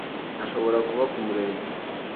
hashobora kuba ku murenge